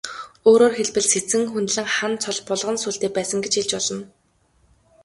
Өөрөөр хэлбэл, Сэцэн хүндлэн хан цол булган сүүлтэй байсан гэж хэлж болно.